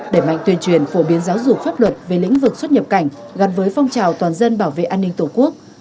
để mạnh tuyên truyền phổ biến giáo dục pháp luật về lĩnh vực xuất nhập cảnh gắn với phong trào toàn dân bảo vệ an ninh tổ quốc